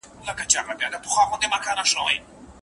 زوجينو ته پخپل منځ کي لمسول حلال دي.